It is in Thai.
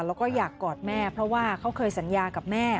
แล้วก็อยากกอดแม่เพราะว่าเขาเคยสัญญากับแม่